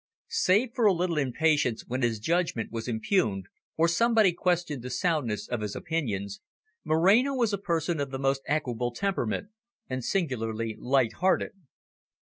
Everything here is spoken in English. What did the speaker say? Save for a little impatience when his judgment was impugned, or somebody questioned the soundness of his opinions, Moreno was a person of the most equable temperament, and singularly light hearted.